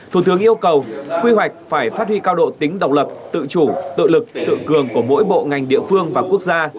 thủ tướng yêu cầu quy hoạch phải phát huy cao độ tính độc lập tự chủ tự lực tự cường của mỗi bộ ngành địa phương và quốc gia